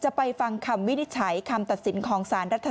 จะไปฟังคำวินิจฉัยคำตัดสินของ